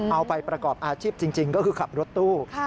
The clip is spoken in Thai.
เอาไปประกอบอาชีพจริงก็คือขับรถตู้